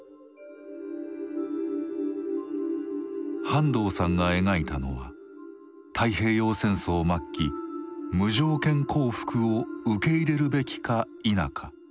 半藤さんが描いたのは太平洋戦争末期無条件降伏を受け入れるべきか否か。